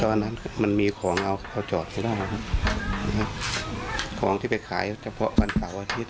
วันนั้นมันมีของเอาเขาจอดไม่ได้ของที่ไปขายเฉพาะวันเสาร์อาทิตย